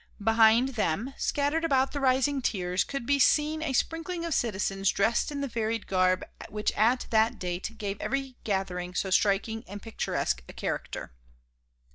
Behind them, scattered about the rising tiers, could be seen a sprinkling of citizens dressed in the varied garb which at that date gave every gathering so striking and picturesque a character.